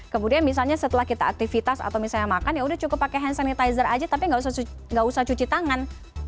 kemudian misalnya setelah kita aktivitas atau misalnya makan ya udah cukup pakai hand sanitizer aja tapi nggak usah cuci tangan